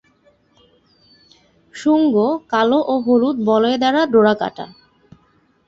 শুঙ্গ কালো এবং হলুদ বলয় দ্বারা ডোরাকাটা।